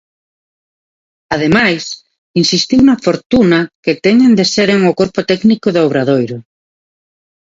Ademais, insistiu na "fortuna" que teñen de seren o corpo técnico do Obradoiro.